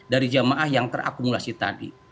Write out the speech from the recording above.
dari jamaah yang terakumulasi tadi